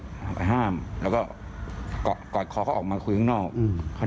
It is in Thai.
คอยไปอย่างนี้ครับแล้วก็กัดเขาออกมาคุยข้างนอก